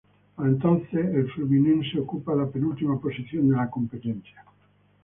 Para entonces, el Fluminense ocupa la penúltima posición de la competencia.